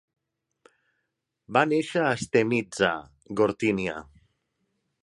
Va néixer a Stemnitsa, Gortynia.